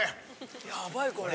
ヤバいこれ。